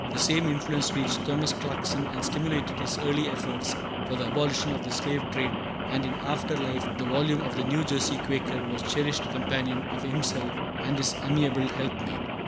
The same influence reached Thomas Clarkson and stimulated his early efforts for the abolition of the slave trade; and in after life the volume of the New Jersey Quaker was the cherished companion of himself and his amiable helpmate.